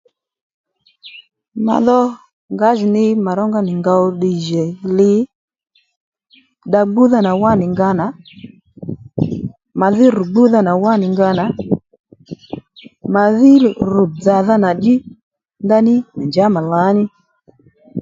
Mà dho ngǎjìní mà rónga nì ngǒw ddiy jì li dda gbúdha nà wá nì nga nà mà dhí ru gbúdha nà wá nì nga nà màdhí ru dzàdhanà ddí ndaní mà njǎ mà lǎní